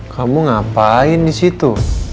kamu ngapain disitu